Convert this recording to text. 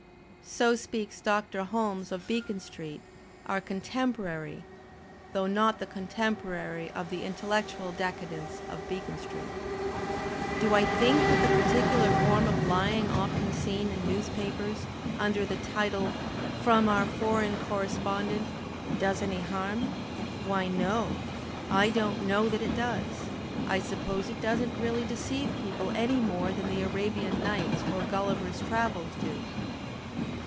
So speaks Doctor Holmes of Beacon Street, Digitized by Google HOLMES 159 our contemporary, though not the contemporary of the in tellectual decadence of Beacon Street. "Do I think that the particular form of lying often seen in newspapers, under the title *Prom Our Foreign Correspondent' does any harm? Why, no, I don't know that it does. I suppose it doesn't really deceive people any more than the * Arabian Nights' or * Gulliver's Travels' do."